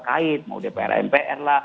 maupun dpr mpr